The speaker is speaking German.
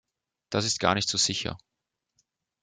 Das ist gar nicht so sicher.